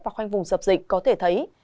và khoanh vùng dập dịch có thể thấy